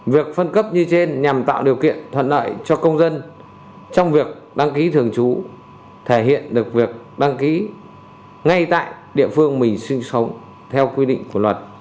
việc phân cấp như trên nhằm tạo điều kiện thuận lợi cho công dân trong việc đăng ký thường trú thể hiện được việc đăng ký ngay tại địa phương mình sinh sống theo quy định của luật